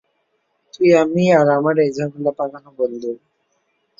তুই, আমি আর আমার এই ঝামেলা পাকানো বন্ধু।